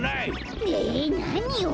えなにを？